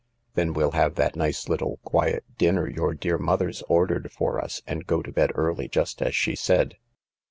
Then we'll have that nice little quiet dinner your dear mother's ordered for us, and go to bed early just as she said.